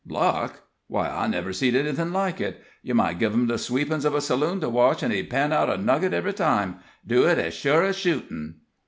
"Luck? Why, I never seed anything like it! Yer might give him the sweepin's of a saloon to wash, an' he'd pan out a nugget ev'ry time do it ez shure as shootin'!"